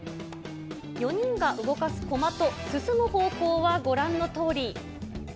４人が動かすコマと、進む方向はご覧のとおり。